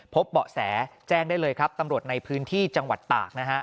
เบาะแสแจ้งได้เลยครับตำรวจในพื้นที่จังหวัดตากนะฮะ